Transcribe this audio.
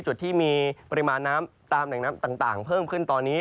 จุดที่มีปริมาณน้ำตามแหล่งน้ำต่างเพิ่มขึ้นตอนนี้